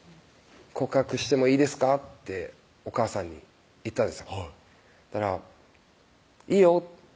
「告白してもいいですか？」っておかあさんに言ったんですよたら「いいよ」